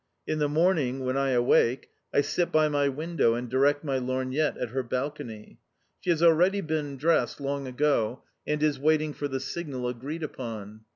In the morning, when I awake, I sit by my window and direct my lorgnette at her balcony. She has already been dressed long ago, and is waiting for the signal agreed upon.